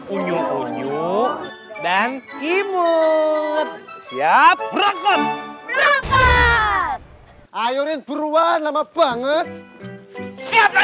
unyu unyu dan timur siap berangkat ayo rin buruan lama banget siap